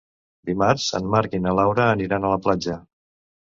Dimarts en Marc i na Laura aniran a la platja.